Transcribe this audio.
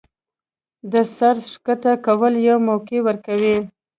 د سر ښکته کولو يوه موقع ورکړي